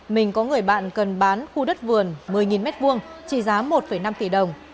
mình có người bạn cần bán khu đất vườn một mươi m hai trị giá một năm tỷ đồng